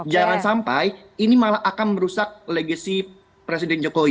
jangan sampai ini malah akan merusak legacy presiden jokowi